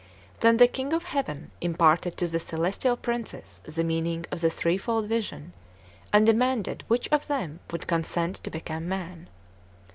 Then the King of Heaven imparted to the celestial princes the meaning of the threefold vision, and demanded which of them would consent to become man.